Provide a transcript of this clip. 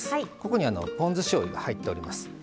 ここにポン酢しょうゆが入っております。